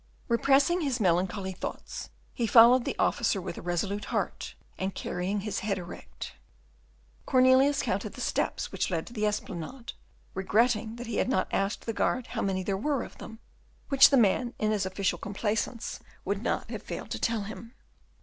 Repressing his melancholy thoughts, he followed the officer with a resolute heart, and carrying his head erect. Cornelius counted the steps which led to the Esplanade, regretting that he had not asked the guard how many there were of them, which the man, in his official complaisance, would not have failed to tell him.